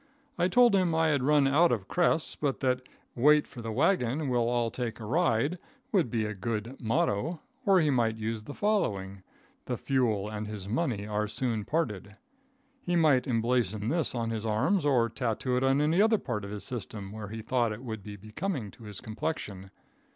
I told him I had run out of crests, but that "weight for the wagon, we'll all take a ride," would be a good motto; or he might use the following: "The fuel and his money are soon parted." He might emblazon this on his arms, or tattoo it on any other part of his system where he thought it would be becoming to his complexion.